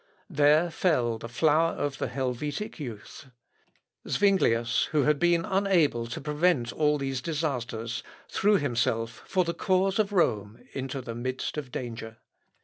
There fell the flower of the Helvetic youth. Zuinglius, who had been unable to prevent all these disasters, threw himself, for the cause of Rome, into the midst of danger.